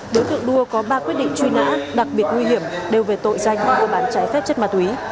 đối tượng đua có ba quyết định truy nã đặc biệt nguy hiểm đều về tội danh và mua bán trái phép chất ma túy